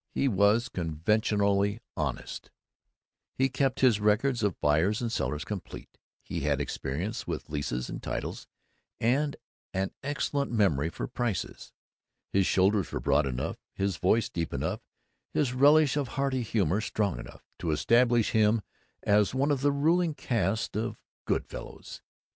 He was conventionally honest, he kept his records of buyers and sellers complete, he had experience with leases and titles and an excellent memory for prices. His shoulders were broad enough, his voice deep enough, his relish of hearty humor strong enough, to establish him as one of the ruling caste of Good Fellows.